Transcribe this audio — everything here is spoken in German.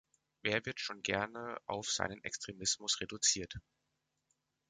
Wer wird schon gerne auf seinen Extremismus reduziert?